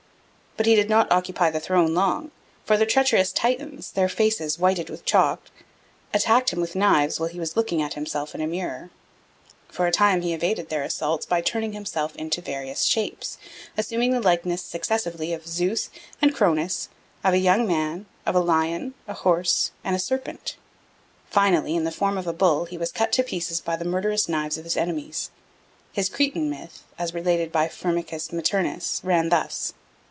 But he did not occupy the throne long; for the treacherous Titans, their faces whitened with chalk, attacked him with knives while he was looking at himself in a mirror. For a time he evaded their assaults by turning himself into various shapes, assuming the likeness successively of Zeus and Cronus, of a young man, of a lion, a horse, and a serpent. Finally, in the form of a bull, he was cut to pieces by the murderous knives of his enemies. His Cretan myth, as related by Firmicus Maternus, ran thus.